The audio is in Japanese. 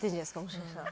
もしかしたら。